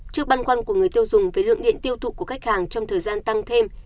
trước băn khoăn của người tiêu dùng về lượng điện tiêu thụ của khách hàng trong thời gian tăng thêm